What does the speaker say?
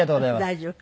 大丈夫。